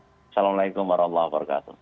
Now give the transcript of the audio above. assalamualaikum warahmatullahi wabarakatuh